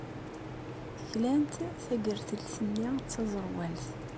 Klant tagertilt-nni d taẓerwalt.